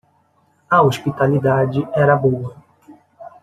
A hospitalidade era boa.